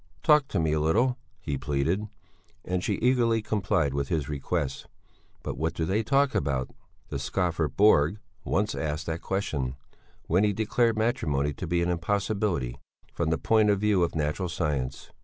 "Talk to me a little," he pleaded. And she eagerly complied with his request. "But what do they talk about?" The scoffer Borg once asked that question, when he declared matrimony to be an impossibility from the point of view of natural science.